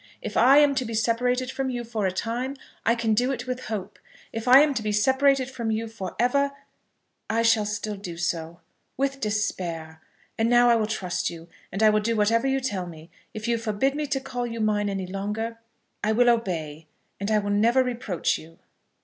If I am to be separated from you for a time, I can do it with hope. If I am to be separated from you for ever, I shall still do so, with despair. And now I will trust you, and I will do whatever you tell me. If you forbid me to call you mine any longer, I will obey, and will never reproach you."